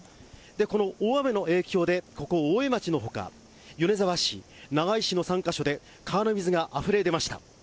この大雨の影響で、ここ、大江町のほか、米沢市、長井市の３か所で川の水があふれ出ました。